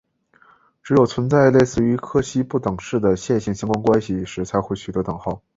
只有存在类似于柯西不等式的线性相关关系时才会取得等号。